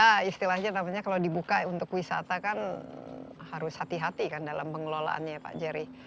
nah istilahnya namanya kalau dibuka untuk wisata kan harus hati hati kan dalam pengelolaannya pak jerry